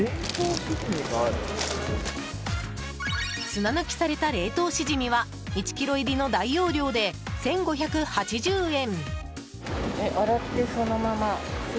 砂抜きされた冷凍シジミは１ｋｇ入りの大容量で１５８０円。